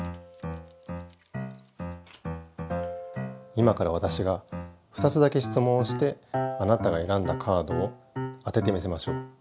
今からわたしが２つだけ質問をしてあなたがえらんだカードを当ててみせましょう。